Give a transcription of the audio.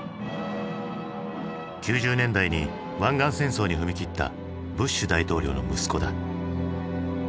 ９０年代に湾岸戦争に踏み切ったブッシュ大統領の息子だ。